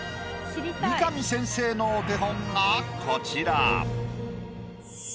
三上先生のお手本がこちら。